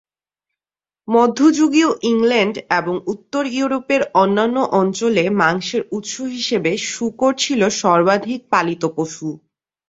মধ্যযুগীয় ইংল্যান্ড এবং উত্তর ইউরোপের অন্যান্য অঞ্চলে মাংসের উৎস হিসেবে শূকর ছিল সর্বাধিক পালিত পশু।